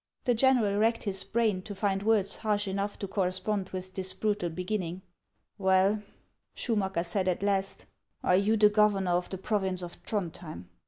The general racked his brain to find words harsh enough to correspond with this brutal beginning. " Well," Schumacker said at last, " are you the governor of the province of Throndhjem